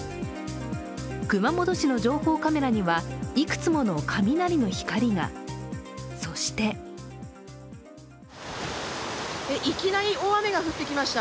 熊本市の情報カメラにはいくつもの雷の光が、そしていきなり大雨が降ってきました。